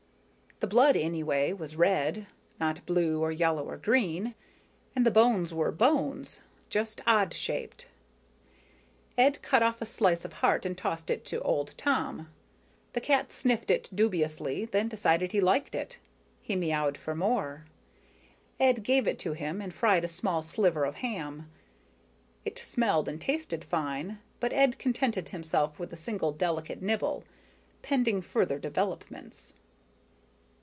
The blood, anyway, was red; not blue or yellow or green; and the bones were bones, just odd shaped. Ed cut off a slice of heart and tossed it to old Tom. The cat sniffed it dubiously and then decided he liked it. He meowed for more. Ed gave it to him and fried a small sliver of ham. It smelled and tasted fine, but Ed contented himself with a single delicate nibble, pending further developments.